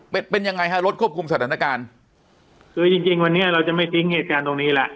เป็นเป็นยังไงฮะรถควบคุมสถานการณ์คือจริงจริงวันนี้เราจะไม่ทิ้งเหตุการณ์ตรงนี้แล้ว